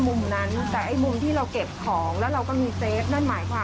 ซึ่งก็ไม่ทราบว่าใครมาได้